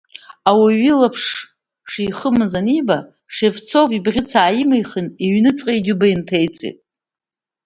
Уаҩы илаԥш шихымыз аниба, Шевцов ибӷьыц ааимхны, иҩныҵҟа џьыба инҭеиҵеит.